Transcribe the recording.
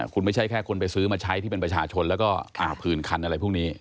คุณไม่ใช่แค่คนไปซื้อมาใช้ที่เป็นประชาชนแล้วก็ผื่นคันอะไรพวกนี้